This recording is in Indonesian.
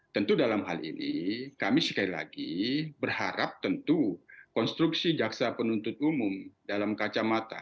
tentu dalam hal ini kami sekali lagi berharap tentu konstruksi jaksa penuntut umum dalam kacamata